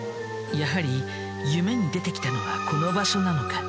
やはり夢に出てきたのはこの場所なのか？